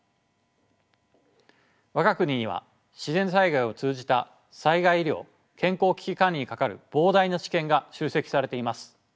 我が国には自然災害を通じた災害医療健康危機管理に係る膨大な知見が集積されています。